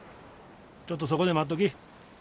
ちょっとそこで待っとき。